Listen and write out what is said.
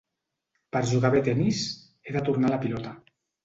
Per jugar bé a tenis, he de tornar la pilota.